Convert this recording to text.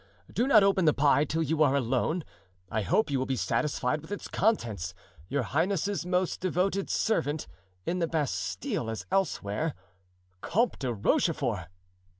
Do not open the pie till you are alone. I hope you will be satisfied with its contents. "Your highness's most devoted servant, "In the Bastile, as elsewhere, "Comte de Rochefort."